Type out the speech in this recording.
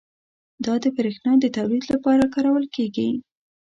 دا د بریښنا د تولید لپاره کارول کېږي.